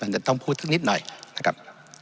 จะต้องพูดถึงนิดหน่อยนะครับ